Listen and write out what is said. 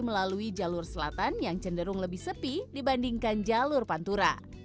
melalui jalur selatan yang cenderung lebih sepi dibandingkan jalur pantura